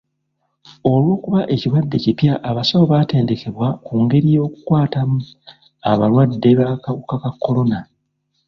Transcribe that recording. Olw'okuba ekirwadde kipya, abasawo baatendekebwa ku ngeri y'okukwatamu abalwadde b'akawuka ka kolona.